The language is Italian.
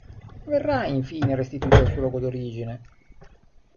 Verrà infine restituito al suo luogo d'origine.